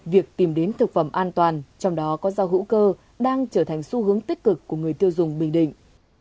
việc tìm đến thực phẩm an toàn trong đó có rau hữu cơ đang trở thành xu hướng tích cực của người tiêu dùng bình định